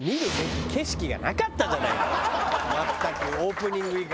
全くオープニング以外。